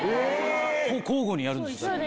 交互にやるんです。